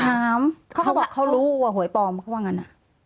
ถามเขาบอกเขารู้ว่าหวยปลอมเขาบอกอย่างนั้น